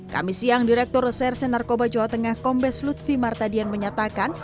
kami siang direktur reserse narkoba jawa tengah kombes lutfi martadian menyatakan